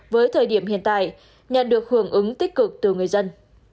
với thời điểm hiện tại nhận được hưởng ứng tích cực từ người dân